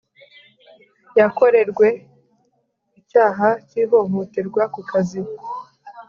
yakorerwe icyaha cy ihohoterwa ku kazi